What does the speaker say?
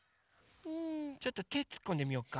ちょっとてつっこんでみようか。